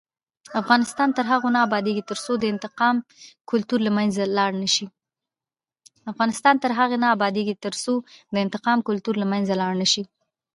افغانستان تر هغو نه ابادیږي، ترڅو د انتقام کلتور له منځه لاړ نشي.